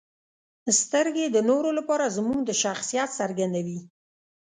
• سترګې د نورو لپاره زموږ د شخصیت څرګندوي.